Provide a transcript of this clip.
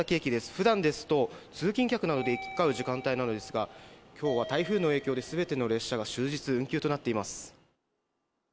ふだんですと、通勤客などで行き交う時間帯なのですが、きょうは台風の影響で、すべての列車が終日運休となっています。